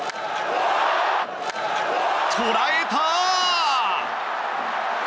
捉えた！